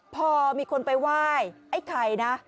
พอมีคนไปไหว้ไอ้ไข่นะ